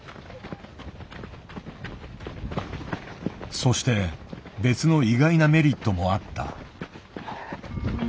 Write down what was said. そして別の意外なメリットもあった。